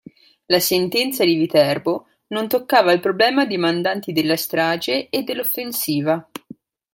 La sentenza di Viterbo non toccava il problema dei mandanti della strage e dell'offensiva.